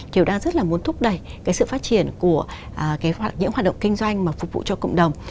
đều đang rất là muốn thúc đẩy cái sự phát triển của những hoạt động kinh doanh mà phục vụ cho cộng đồng